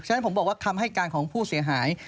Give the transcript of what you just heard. ฉะผมบอกว่าคำให้การของผู้เสียหาย